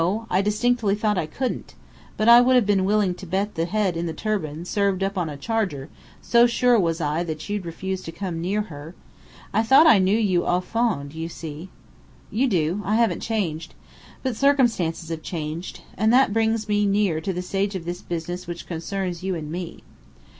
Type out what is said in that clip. I distinctly thought I couldn't. But I would have been willing to bet the head in the turban, served up on a charger, so sure I was that you'd refuse to come near her. I thought I knew you au fond, you see." "You do. I haven't changed. But circumstances have changed. And that brings me near to the stage of this business which concerns you and me.